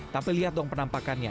tapi lihat dong penampakannya